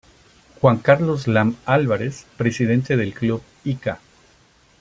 Juan Carlos Lam Alvarez, Presidente del Club Ica.